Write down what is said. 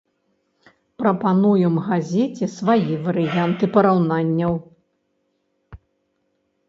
Прапануем газеце свае варыянты параўнанняў.